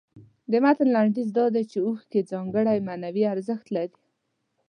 د متن لنډیز دا دی چې اوښکې ځانګړی معنوي ارزښت لري.